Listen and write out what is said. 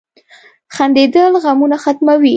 • خندېدل غمونه ختموي.